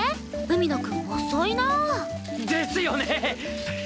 海野くん遅いなあ。ですよね！